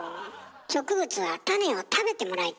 植物は種を食べてもらいたいのよ。